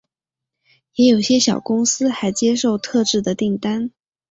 也有些小公司还接受特制的订单。